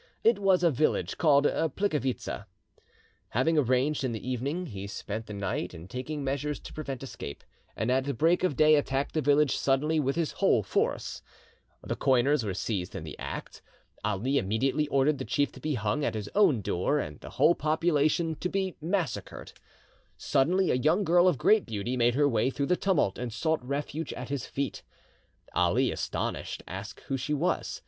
It was a village called Plikivitza. Having arrived in the evening, he spent the night in taking measures to prevent escape, and at break of day attacked the village suddenly with his whole force. The coiners were seized in the act. Ali immediately ordered the chief to be hung at his own door and the whole population to be massacred. Suddenly a young girl of great beauty made her way through the tumult and sought refuge at his feet. Ali, astonished, asked who she was.